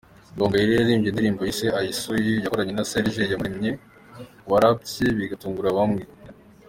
Gahongayire yaririmbye indirimbo yise "I see you" yakoranye na Serge Iyamuremye warapye bigatungura bamwe.